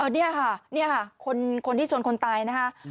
เนี่ยค่ะคนที่ชนคนตายนะฮะ